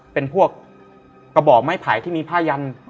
เป็นพวกกระบอกไม้ไผ่ที่มีผ้ายัน